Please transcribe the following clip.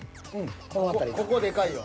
ここここでかいよ。